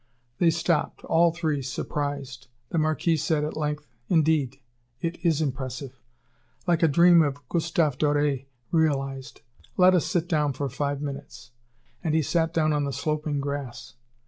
They stopped, all three surprised. The Marquis said, at length: "Indeed, it is impressive like a dream of Gustave Doré realized. Let us sit down for five minutes." And he sat down on the sloping grass.